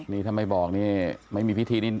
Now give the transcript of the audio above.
นี่ถ้าไม่บอกไม่มีพิธีนี่